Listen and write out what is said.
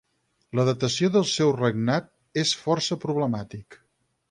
La datació del seu regnat és força problemàtic.